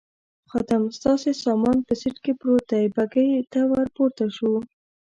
خادم: ستاسې سامان په سېټ کې پروت دی، بګۍ ته ور پورته شوو.